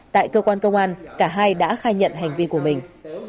tại cơ quan công an cả hai đã khai nhận hành vi của mình